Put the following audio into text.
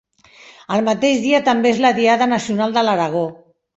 El mateix dia també és la Diada Nacional de l'Aragó.